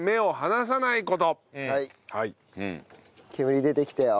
煙出てきたよ。